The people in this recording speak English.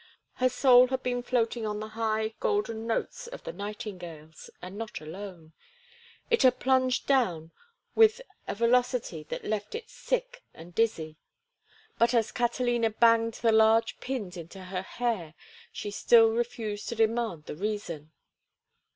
Her soul had been floating on the high, golden notes of the nightingales, and not alone; it had plunged down with a velocity that left it sick and dizzy, but as Catalina banged the large pins into her hair she still refused to demand the reason.